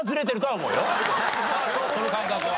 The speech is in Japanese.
その感覚は。